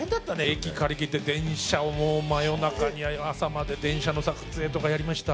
駅借り切って電車を真夜中に朝まで電車の撮影とかやりました